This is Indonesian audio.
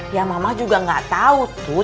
ya mama juga nggak tau tut